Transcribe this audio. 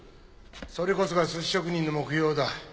それこそが寿司職人の目標だ。